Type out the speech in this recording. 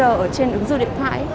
ở trên ứng dụng điện thoại